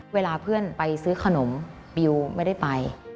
เวลาเพื่อนไปซื้อขนมบิวไม่ได้ไป